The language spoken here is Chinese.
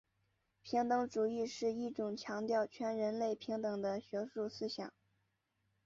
平等主义是一种强调全人类平等的学术思想。